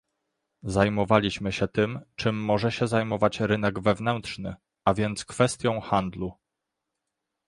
zajmowaliśmy się tym, czym może się zajmować rynek wewnętrzny, a więc kwestią handlu